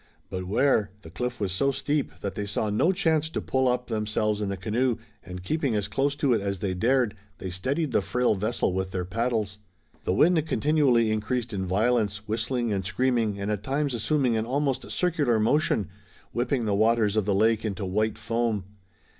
But where? The cliff was so steep that they saw no chance to pull up themselves and the canoe, and, keeping as close to it as they dared, they steadied the frail vessel with their paddles. The wind continually increased in violence, whistling and screaming, and at times assuming an almost circular motion, whipping the waters of the lake into white foam.